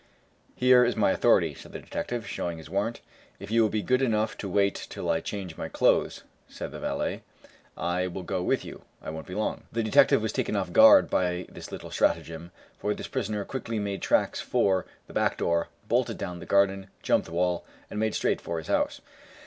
"Here is my authority," said the detective, showing his warrant "If you will be good enough to wait till I change my clothes," said the valet, "I will go with you. I won't be long," The detective was taken off his guard by this little stratagem, for his prisoner quickly made tracks for the back door, bolted down the garden, jumped the wall, and made straight for his house.